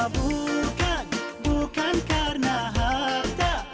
bukan bukan karena harta